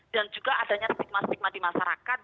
dan juga adanya stigma stigma di masyarakat